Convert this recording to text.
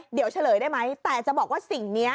เดี๋ยวเฉลยได้ไหมแต่จะบอกว่าสิ่งนี้